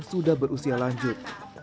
yang sudah berusia lanjut